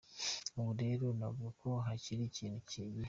Ubu rero navuga ko hakiri ikindi gihe.